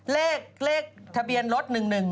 เลขทะเบียนรถ๑๑๒